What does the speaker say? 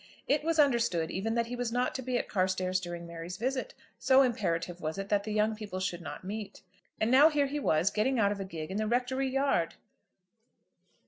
It was understood even that he was not to be at Carstairs during Mary's visit, so imperative was it that the young people should not meet. And now here he was getting out of a gig in the Rectory yard!